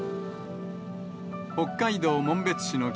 北海道紋別市の北